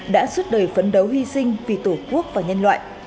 đã suốt đời phấn đấu hy sinh vì tổ quốc và nhân loại